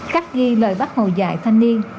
các ghi lời bác hồ dạy thanh niên